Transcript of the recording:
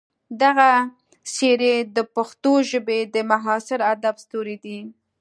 دغه څېرې د پښتو ژبې د معاصر ادب ستوري دي.